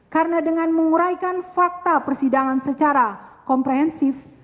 karena dengan menguraikan fakta persidangan secara komprehensif